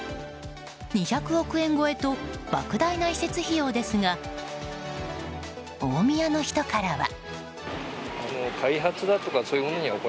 ２００億円超えと莫大な移設費用ですが大宮の人からは。